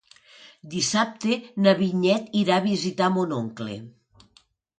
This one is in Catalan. Dissabte na Vinyet irà a visitar mon oncle.